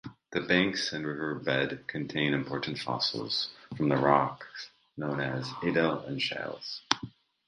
The banks and riverbed contain important fossils from the rocks known as Edale Shales.